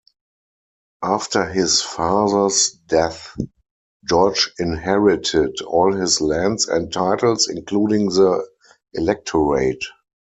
After his father's death, George inherited all his lands and titles, including the electorate.